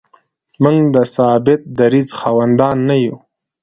موږ د ثابت دریځ خاوندان نه یو.